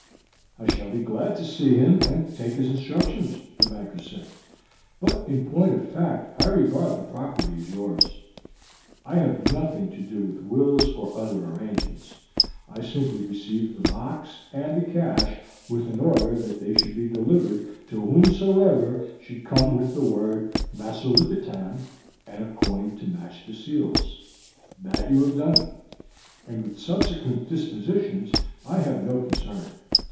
"I shall be glad to see him and to take his instructions," the banker said; "but in point of fact I regard the property as yours; I have nothing to do with wills or other arrangements. I simply received the box and the cash with an order that they should be delivered to whomsoever should come with the word 'Masulipatam' and a coin to match the seals. That you have done, and with subsequent dispositions I have no concern.